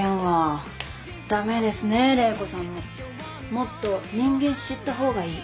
もっと人間知った方がいい。